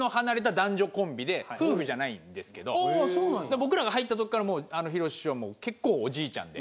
僕らが入った時からひろし師匠は結構おじいちゃんで。